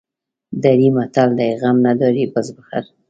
دري متل دی: غم نداری بز بخر.